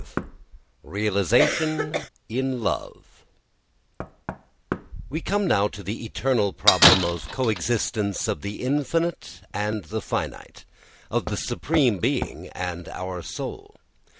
V REALISATION IN LOVE We come now to the eternal problem of co existence of the infinite and the finite, of the supreme being and our soul.